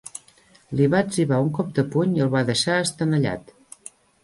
Li va etzibar un cop de puny i el va deixar estenallat.